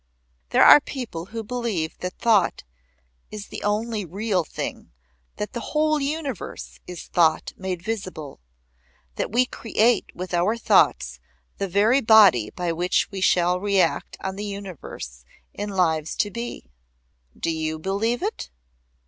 There are people who believe that thought is the only real thing that the whole universe is thought made visible. That we create with our thoughts the very body by which we shall re act on the universe in lives to be. "Do you believe it?"